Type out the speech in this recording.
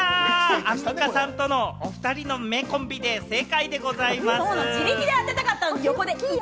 アンミカさんとのお２人の名コンビで正解でございますぅ。